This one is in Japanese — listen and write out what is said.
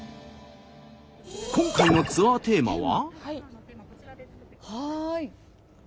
今回のツアーテーマは。